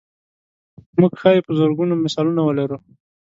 موږ ښایي په زرګونو مثالونه ولرو.